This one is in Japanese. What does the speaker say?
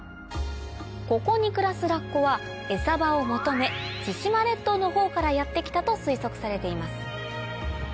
ここに暮らすラッコはエサ場を求め千島列島のほうからやって来たと推測されています